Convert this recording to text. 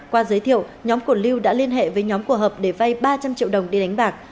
qua giới thiệu nhóm của lưu đã liên hệ với nhóm của hợp để vay ba trăm linh triệu đồng đi đánh bạc